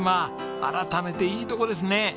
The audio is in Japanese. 改めていいとこですね。